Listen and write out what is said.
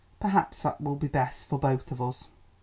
"Perhaps that will be best for both of us."